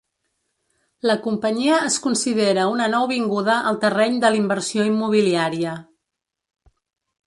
La companyia es considera una nouvinguda al terreny de l'inversió immobiliària.